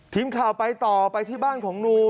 ทีมข่าวไปต่อไปที่บ้านของนู